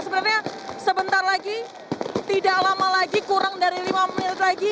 sebenarnya sebentar lagi tidak lama lagi kurang dari lima menit lagi